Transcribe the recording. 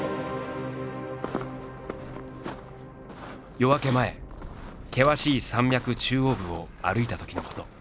夜明け前険しい山脈中央部を歩いたときのこと。